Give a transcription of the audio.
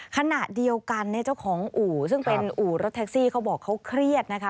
ขณะเดียวกันเนี่ยเจ้าของอู่ซึ่งเป็นอู่รถแท็กซี่เขาบอกเขาเครียดนะคะ